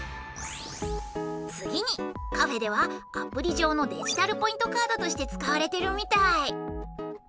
次にカフェではアプリ上のデジタルポイントカードとして使われているみたい！